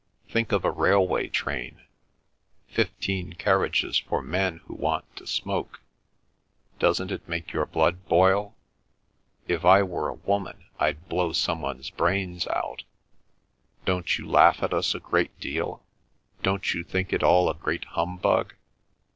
Think of a railway train: fifteen carriages for men who want to smoke. Doesn't it make your blood boil? If I were a woman I'd blow some one's brains out. Don't you laugh at us a great deal? Don't you think it all a great humbug?